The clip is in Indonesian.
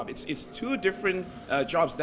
itu dua tugas yang berbeda